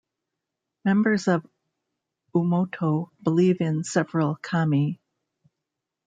Members of Oomoto believe in several kami.